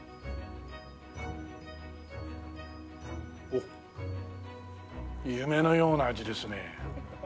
おっ夢のような味ですね。